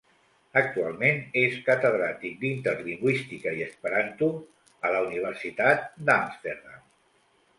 Actualment és catedràtic d'interlingüística i esperanto a la Universitat d'Amsterdam.